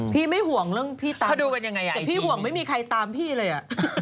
พี่ไม่ห่วงเรื่องพี่ตามแต่พี่ห่วงไม่มีใครตามพี่เลย